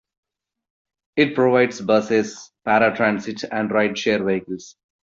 It provides buses, paratransit, and rideshare vehicles.